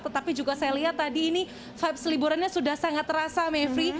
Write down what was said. tetapi juga saya lihat tadi ini vibes liburannya sudah sangat terasa mevri